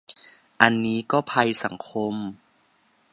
อันนี้ก็ภัยสังคม